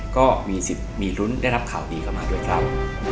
ก็มีสิทธิ์มีลุ้นได้รับข่าวดีเข้ามาด้วยครับ